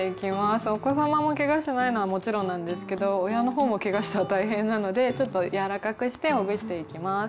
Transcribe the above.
お子様もけがしないのはもちろんなんですけど親の方もけがしたら大変なのでちょっと柔らかくしてほぐしていきます。